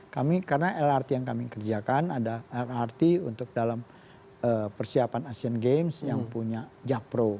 kami karena lrt yang kami kerjakan ada lrt untuk dalam persiapan asian games yang punya jakpro